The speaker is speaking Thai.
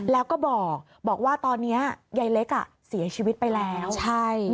แล้วก็บอกว่าตอนนี้ยายเล็กอ่ะเสียชีวิตไปแล้วใช่